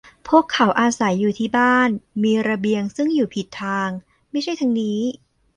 พวกเขาอาศัยอยู่ที่บ้าน มีระเบียง ซึ่งอยู่ผิดทาง ไม่ใช่ทางนี้